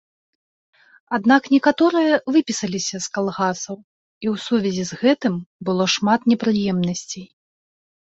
Аднак некаторыя выпісаліся з калгасаў, і ў сувязі з гэтым было шмат непрыемнасцей.